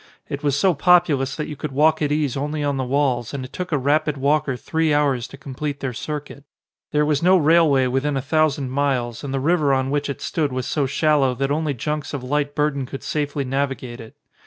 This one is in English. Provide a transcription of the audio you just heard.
It was so populous that you could walk at ease only on the walls and it took a rapid walker three hours to complete their circuit. There was no railway within a thousand miles and the river on which it stood was so shallow that only junks of light, burden could safely navigate it.